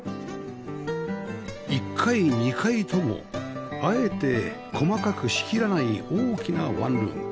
１階２階ともあえて細かく仕切らない大きなワンルーム